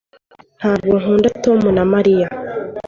ntabwo nkunda tom na mariya